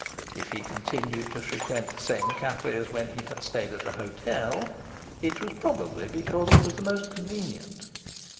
If he continued to frequent the same cafe as when he had stayed at the hotel, it was probably because it was the most convenient.